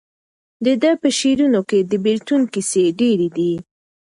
د ده په شعرونو کې د بېلتون کیسې ډېرې دي.